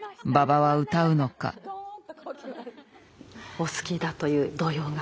お好きだという童謡が。